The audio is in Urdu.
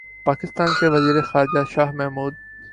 پاکستان کے وزیر خارجہ شاہ محمود